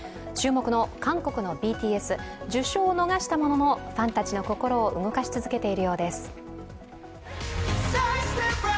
注目の韓国のＢＴＳ受賞を逃したもののファンたちの心を動かし続けているようです。